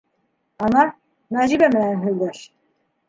Ана, Нәжибә менән һөйләш.